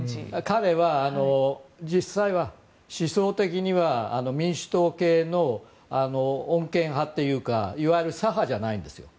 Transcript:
彼は実際は思想的には民主党系の穏健派というかいわゆる左派じゃないんですよ。